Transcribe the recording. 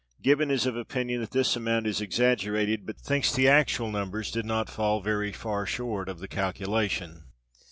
Gibbon is of opinion that this amount is exaggerated; but thinks the actual numbers did not fall very far short of the calculation.